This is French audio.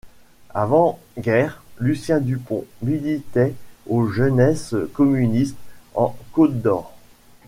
Avant guerre, Lucien Dupont militait aux Jeunesses communistes en Côte-d’Or.